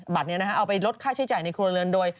บัตรนี้เอาไปลดค่าใช้จ่ายในครัวเรือนโดย